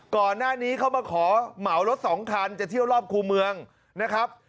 ก่อนหน้านี้เขามาขอเหมารถสองคันจะเที่ยวรอบคู่เมืองนะครับ